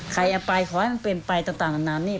ใครเอาไปขอให้มันเป็นไปต่างนานานี่